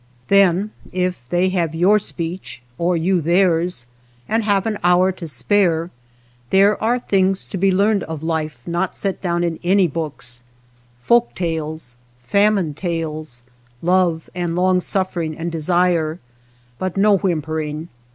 Then, if they have your speech or you theirs, and have an hour to spare, there are things to be learned of life not set down in any books, folk tales, famine tales, love and long suffering and desire, but no 177 THE BASKET MAKER whimpering.